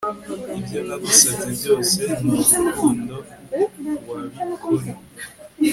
ibyo nagusabye byose, nurukundo wabikora